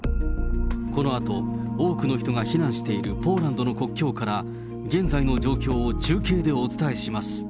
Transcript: このあと、多くの人が避難しているポーランドの国境から、現在の状況を中継でお伝えします。